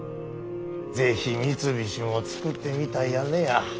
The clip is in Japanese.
是非三菱も作ってみたいやねや。